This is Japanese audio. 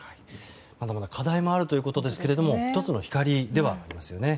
課題もあるということですが１つの光ではありますよね。